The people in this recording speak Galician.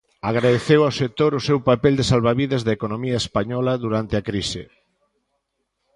Agradeceu ao sector o seu papel de salvavidas da economía española durante a crise.